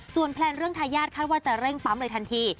แพลนเรื่องทายาทคาดว่าจะเร่งปั๊มเลยทันที